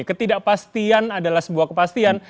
ketidakpastian adalah sebuah kepastian